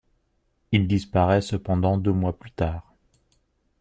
Il disparaît cependant deux mois plus tard.